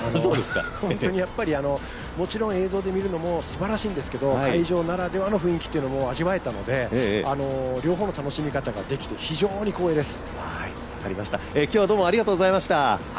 本当にやっぱりもちろん映像で見るのもすばらしいんですけど会場ならではの雰囲気というのも味わえたので両方の楽しみ方ができて非常に光栄です。